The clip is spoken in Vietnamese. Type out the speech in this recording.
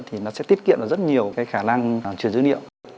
thì nó sẽ tiết kiệm được rất nhiều cái khả năng truyền dữ liệu